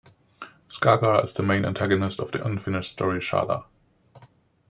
Skagra is the main antagonist of the unfinished story "Shada".